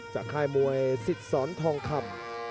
ค่ายมวยสิทธิ์สอนทองคำ